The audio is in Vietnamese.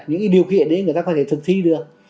những điều kiện đấy người ta có thể thực thi được